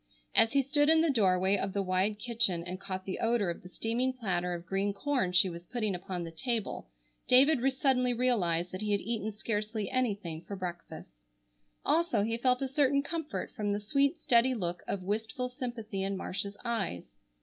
As he stood in the doorway of the wide kitchen and caught the odor of the steaming platter of green corn she was putting upon the table, David suddenly realized that he had eaten scarcely anything for breakfast. Also, he felt a certain comfort from the sweet steady look of wistful sympathy in Marcia's eyes.